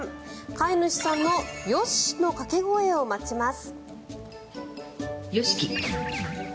飼い主さんの「よし！」の掛け声を待ちます。